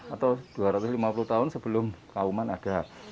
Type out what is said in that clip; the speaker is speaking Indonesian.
atau dua ratus lima puluh tahun sebelum kauman ada